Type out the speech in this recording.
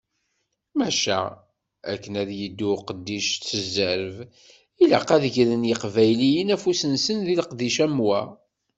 Maca, akken ad yeddu uqeddic s zzreb, ilaq ad d-gren yiqbayliyen afus-nsen deg leqdic am wa.